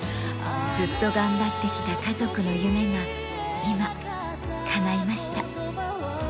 ずっと頑張ってきた家族の夢が、今、かないました。